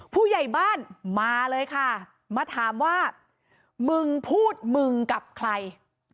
ผู้ใหญ่บ้านมาเลยค่ะมาถามว่ามึงพูดมึงกับใคร